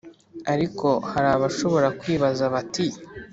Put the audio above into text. Ariko hari abashobora kwibaza bati